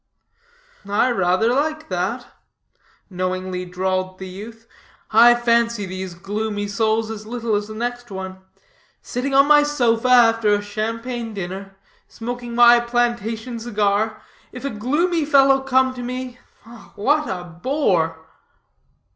"I rather like that," knowingly drawled the youth. "I fancy these gloomy souls as little as the next one. Sitting on my sofa after a champagne dinner, smoking my plantation cigar, if a gloomy fellow come to me what a bore!"